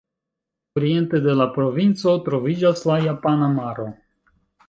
Oriente de la provinco troviĝas la Japana Maro.